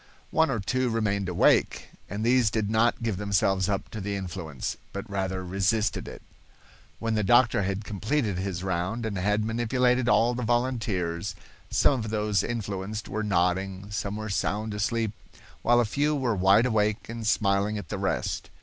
One or two remained awake, and these did not give themselves up to the influence, but rather resisted it. When the doctor had completed his round and had manipulated all the volunteers, some of those influenced were nodding, some were sound asleep, while a few were wide awake and smiling at the rest.